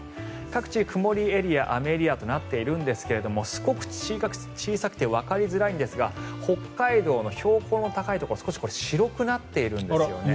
各地、曇りエリア雨エリアとなっているんですが少し小さくてわかりづらいんですが北海道の標高の高いところ少し白くなっているんですね。